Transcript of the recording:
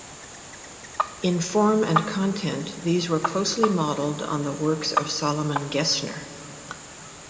In form and content, these were closely modeled on the works of Solomon Gessner.